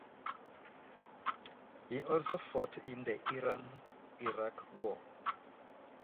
He also fought in the Iran–Iraq War.